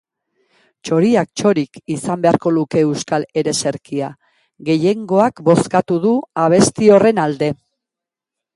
'Txoriak txori'-k izan beharko luke euskal ereserkia; gehiengoak bozkatu du abesti horren alde.